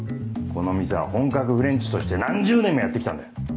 この店は本格フレンチとして何十年もやって来たんだ。